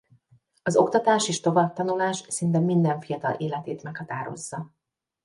Az oktatás és továbbtanulás szinte minden fiatal életét meghatározza.